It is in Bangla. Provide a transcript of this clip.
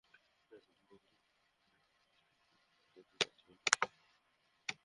সাধারণত বেকার বলতে আমরা বুঝি তঁাদের, যাঁরা যোগ্যতা থাকা সত্ত্বেও কাজ পান না।